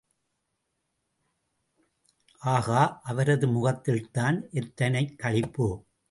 ஆஹா, அவரது முகத்தில்தான் எத்துணைக் களிப்பு!